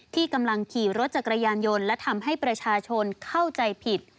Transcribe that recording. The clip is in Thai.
ที่กำลังขี่รถจักรยานยนต์และทำให้ประชาชนเข้าใจผิด